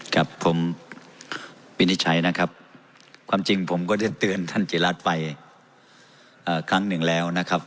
ครับผมวินิจฉัยนะครับความจริงผมก็ได้เตือนท่านจิรัตน์ไปครั้งหนึ่งแล้วนะครับ